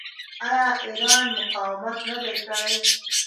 آیا ایران مقاومت نه دی کړی؟